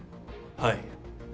はい。